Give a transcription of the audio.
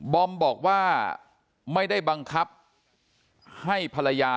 บอมบอกว่าไม่ได้บังคับให้ภรรยา